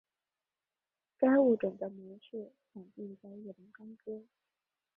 该物种的模式产地在日本高知。